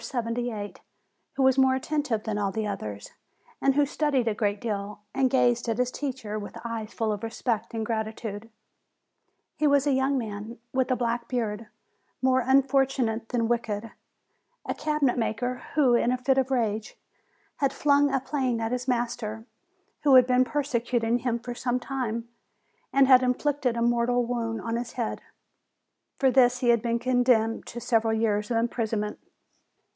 78, who was more attentive than all the others, and who studied a great deal, and gazed at his teacher with eyes full of respect and gratitude. He was a young man, with a black beard, more unfortunate than wicked, a cabinet maker who, in a fit of rage, had flung a plane at his master, who had been persecuting him for some time, and had inflicted a mortal wound on his head : for this he had been condemned to several years of imprisonment.